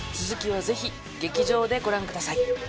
続きはぜひ劇場でご覧ください。